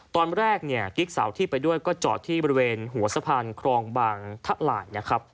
ตอนแรกกิ๊กสาวที่ไปด้วยก็จอดที่บริเวณหัวสะพันธุ์ครองบางทะหล่าย